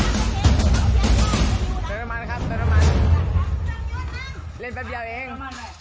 แต่ก็ไม่รู้ว่าจะมีใครอยู่ข้างหลัง